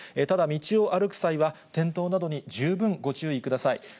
ただ、道を歩く際は、転倒などに十分ご注意ください。